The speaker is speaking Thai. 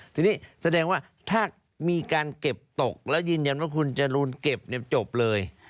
ทีนี้แสดงว่าถ้ามีการเก็บตกแล้วยืนยันว่าคุณจรูนเก็บจบเลย